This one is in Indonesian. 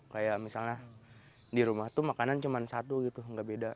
kayak misalnya di rumah tuh makanan cuma satu gitu nggak beda